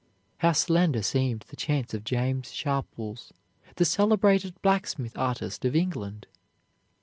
How slender seemed the chance of James Sharples, the celebrated blacksmith artist of England!